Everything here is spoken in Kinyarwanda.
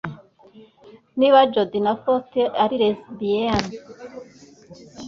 Niba Jodie Foster yari lesbiyani